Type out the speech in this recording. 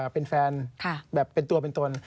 เป็นแฟนแบบเป็นตัวเป็นตน